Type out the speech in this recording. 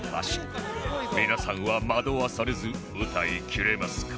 皆さんは惑わされず歌い切れますか？